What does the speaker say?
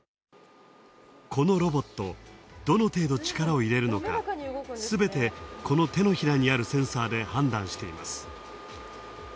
このロボット、どのていど力を入れるのかすべて、この手のひらにあるセンサーで判断しています。